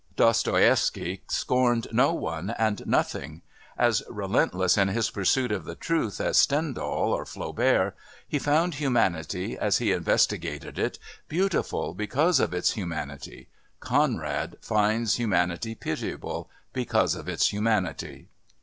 Dostoievsky scorned no one and nothing; as relentless in his pursuit of the truth as Stendhal or Flaubert, he found humanity, as he investigated it, beautiful because of its humanity Conrad finds humanity pitiable because of its humanity.